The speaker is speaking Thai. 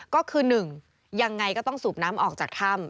ก็คือ๑ยังไงก็ต้องสูบน้ำออกจากถ้ำ